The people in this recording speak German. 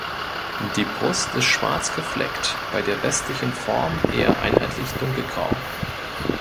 Die Brust ist schwarz gefleckt, bei der westlichen Form eher einheitlich dunkelgrau.